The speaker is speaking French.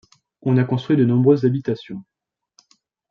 On a construit de nombreuses habitations.